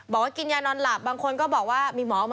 บอกว่ากินยานอนหลับบางคนก็บอกว่า